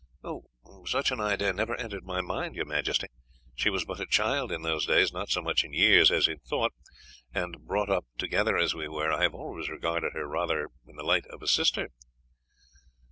"Such an idea never entered my mind, your majesty. She was but a child in those days, not so much in years as in thought, and brought up together as we were I have always regarded her rather in the light of a sister."